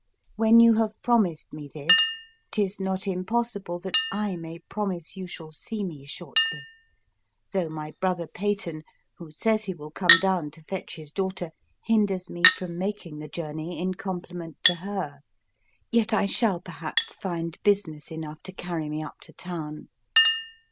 When you have promised me this, 'tis not impossible that I may promise you shall see me shortly; though my brother Peyton (who says he will come down to fetch his daughter) hinders me from making the journey in compliment to her. Yet I shall perhaps find business enough to carry me up to town.